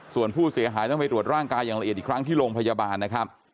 ส่วนผู้เสียหายต้องไปตรวจร่างกายอย่างละเอียดอีกครั้งที่โรงพยาบาลนะครับ